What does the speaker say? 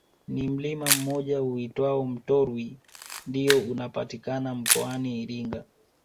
Ni mlima mmoja uitwao Mtorwi ndiyo unapatikana mkoani Iringa